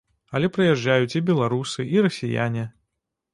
Але прыязджаюць і беларусы, і расіяне.